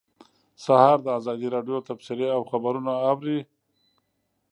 سهار د ازادۍ راډیو تبصرې او خبرونه اوري.